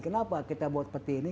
kenapa kita buat peti ini